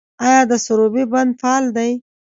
آیا د سروبي بند فعال دی؟